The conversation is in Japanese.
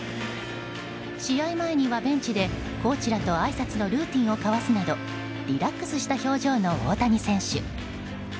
試合前にはベンチで、コーチらとあいさつのルーティンを交わすなどリラックスした表情の大谷選手。